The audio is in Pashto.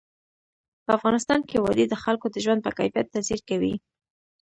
په افغانستان کې وادي د خلکو د ژوند په کیفیت تاثیر کوي.